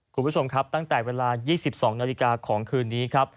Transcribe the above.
คุณผู้ชมตั้งแต่เวลา๒๒นาฬิกาของคืนนี้